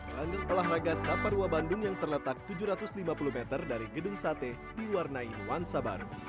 langget olahraga saparwa bandung yang terletak tujuh ratus lima puluh meter dari gedung sate diwarnai nuansa baru